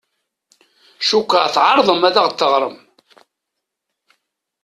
Cukkeɣ tɛerḍem ad ɣ-d-teɣṛem.